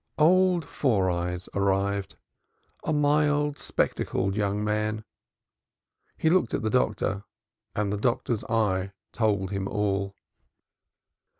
Old Four Eyes arrived a mild spectacled young man. He looked at the doctor, and the doctor's eye told him all.